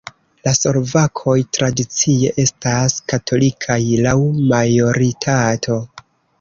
La slovakoj tradicie estas katolikaj laŭ majoritato.